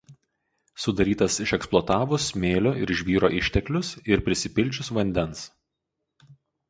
Sudarytas išeksploatavus smėlio ir žvyro išteklius ir prisipildžius vandens.